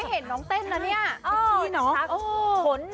สุดยอดเลยคุณผู้ชมค่ะบอกเลยว่าเป็นการส่งของคุณผู้ชมค่ะ